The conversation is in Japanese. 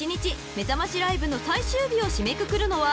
めざましライブの最終日を締めくくるのは］